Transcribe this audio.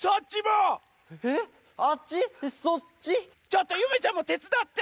ちょっとゆめちゃんもてつだって！